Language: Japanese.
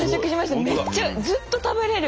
めっちゃずっと食べれる。